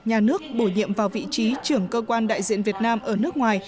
nhà nước bổ nhiệm vào vị trí trưởng cơ quan đại diện việt nam ở nước ngoài